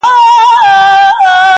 o زړه مي له رباب سره ياري کوي.